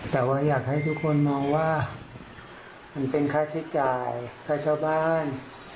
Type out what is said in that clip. แต่ว่าอยากให้ทุกคนมองว่ามันก็เป็นค่าใช้จ่าย